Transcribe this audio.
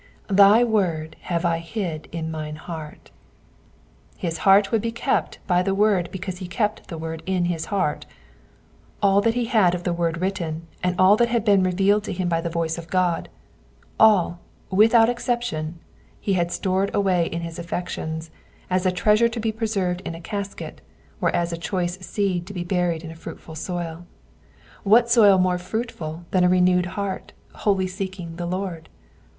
''*'Thy word have I hid in mine hearts His heart would be kept by the word because he kept the word in his heart. All that he had of the word written, and all that had been revealed to him by the voice of God, — all, without exception, he had stored away in his afitections, as a treasure to be preserved in a casket, or as a choice seed to be buried in a fruitful soil : what soil more fruitful than a renewed heart, wholly seeking the Lord